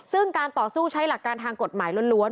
ซึ่งการต่อสู้ใช้หลักการทางกฎหมายล้วน